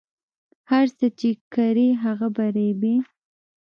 هر څه چې کرې هغه به ریبې